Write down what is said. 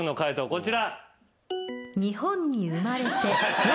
こちら。